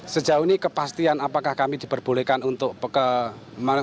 sejauh ini kepastian apakah kami diperbolehkan untuk mengikuti